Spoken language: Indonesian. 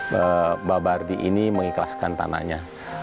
mbak bardi ini mengikhlaskan tanahnya